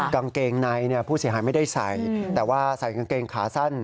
กางเกงในผู้เสียหายไม่ได้ใส่แต่ว่าใส่กางเกงขาสั้น